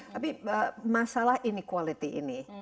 tapi masalah inequality ini